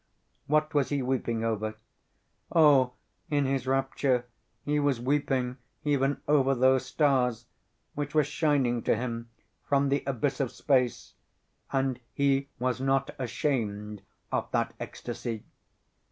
What was he weeping over? Oh! in his rapture he was weeping even over those stars, which were shining to him from the abyss of space, and "he was not ashamed of that ecstasy."